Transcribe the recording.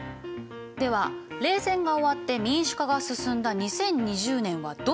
では冷戦が終わって民主化が進んだ２０２０年はどうなったか？